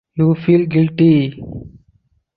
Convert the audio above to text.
You feel guilty.